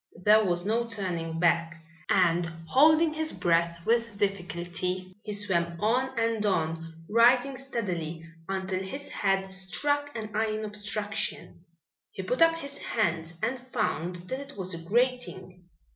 There was now no turning back, and holding his breath with difficulty, he swam on and on, rising steadily until his head struck an iron obstruction. He put up his hands and found that it was a grating.